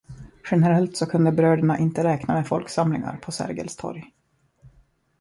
Generellt så kunde bröderna inte räkna med folksamlingar på Sergels torg.